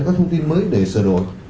các thông tin mới để sửa đổi